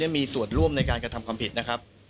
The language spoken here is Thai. มีส่วนร่วมในการกระทำความผิดนะครับ